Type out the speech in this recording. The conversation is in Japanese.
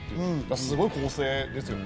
すごい構成ですよね。